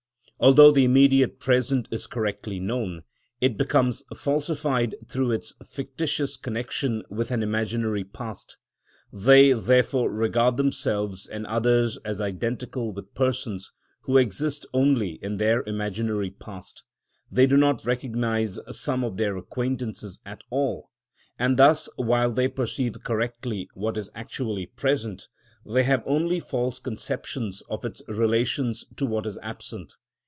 Although the immediate present is correctly known, it becomes falsified through its fictitious connection with an imaginary past; they therefore regard themselves and others as identical with persons who exist only in their imaginary past; they do not recognise some of their acquaintances at all, and thus while they perceive correctly what is actually present, they have only false conceptions of its relations to what is absent.